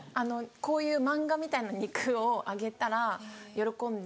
こういう漫画みたいな肉をあげたら喜んで。